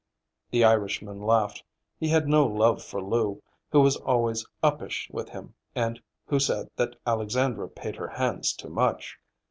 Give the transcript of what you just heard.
The Irishman laughed. He had no love for Lou, who was always uppish with him and who said that Alexandra paid her hands too much.